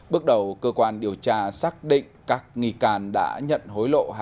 bước đầu cơ quan điều tra xác định các nghi can đã nhận hối lộ